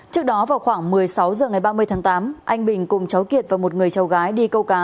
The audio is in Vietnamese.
trước đó vào khoảng một mươi sáu h ngày ba mươi tháng tám anh bình cùng cháu kiệt và một người cháu gái đi câu cá